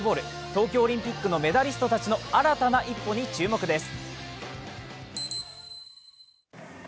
東京オリンピックのメダリストたちの新たな一歩に注目です。